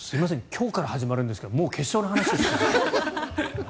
今日から始まるんですがもう決勝の話をしちゃった。